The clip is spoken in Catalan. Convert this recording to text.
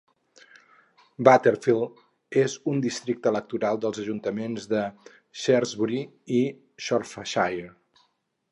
Battlefield és un districte electoral dels ajuntaments de Shrewsbury i Shropshire.